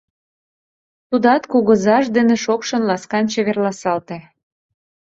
Тудат кугызаж дене шокшын-ласкан чеверласалте...